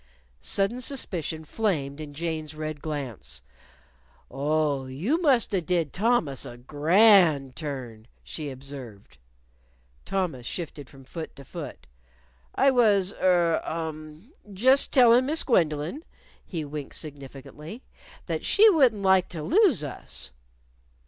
Sudden suspicion flamed in Jane's red glance. "Oh, you must've did Thomas a grand turn," she observed. Thomas shifted from foot to foot. "I was er um just tellin' Miss Gwendolyn" he winked significantly "that she wouldn't like to lose us."